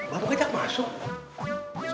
bapak kejap masuk